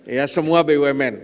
ya semua bumn